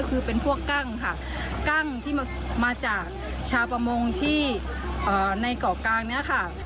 คือเป็นพวกกั้งค่ะกั้งที่มาจากชาวประมงที่ในเกาะกลางนี้ค่ะ